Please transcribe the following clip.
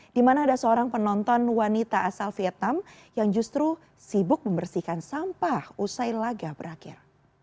di mana ada seorang penonton wanita asal vietnam yang justru sibuk membersihkan sampah usai laga berakhir